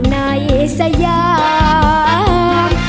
ในสยาม